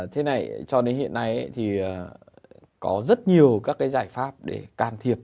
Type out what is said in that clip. thế này cho đến hiện nay thì có rất nhiều các cái giải pháp để can thiệp